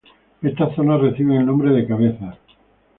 Estas zonas reciben el nombre de cabezas.